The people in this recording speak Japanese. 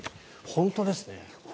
本当ですね。